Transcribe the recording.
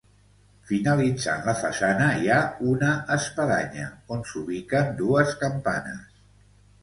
Finalitzant la façana hi ha una espadanya on s'ubiquen dues campanes.